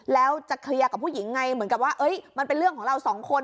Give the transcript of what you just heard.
แล้วจะเคลียร์กับผู้หญิงไงเหมือนกับว่ามันเป็นเรื่องของเราสองคน